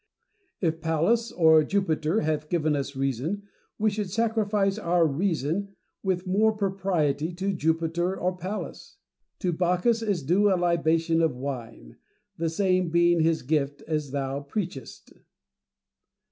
If Pallas or Jupiter hath given us reason, •we should sacrifice our reason with more propriety to Jupiter or Pallas. To Bacchus is due a libation of wine ; the same being his gift, as thou preachest.